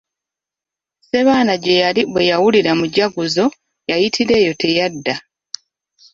Ssebwana gye yali bwe yawulira mujaguzo, yayitira eyo teyadda.